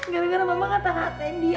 gara gara mama kata hatiin dia